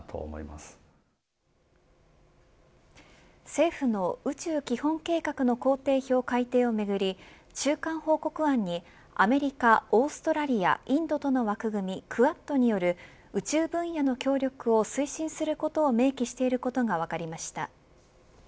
政府の宇宙基本計画の工程表改定をめぐり中間報告案にアメリカ、オーストラリアインドとの枠組みクアッドによる宇宙分野の協力を推進することを明記していることが分かりました。